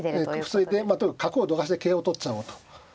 防いでまあとにかく角をどかして桂を取っちゃおうと。